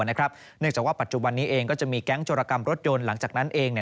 เนื่องจากว่าปัจจุบันนี้เองก็จะมีแก๊งโจรกรรมรถยนต์หลังจากนั้นเอง